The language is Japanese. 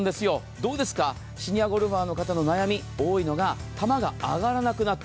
どうですか、シニアゴルファーの方の悩み、多いのが球が上がらなくなった。